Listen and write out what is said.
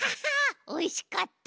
おいしかった。